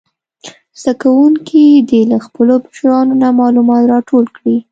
زده کوونکي دې له خپلو مشرانو نه معلومات راټول کړي.